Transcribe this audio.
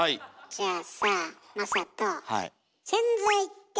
じゃあさマサト。